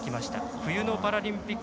冬のパラリンピック